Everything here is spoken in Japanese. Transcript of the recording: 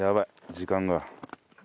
時間が。